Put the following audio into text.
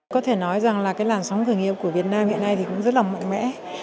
có thể nói rằng là cái làn sóng khởi nghiệp của việt nam hiện nay thì cũng rất là mạnh mẽ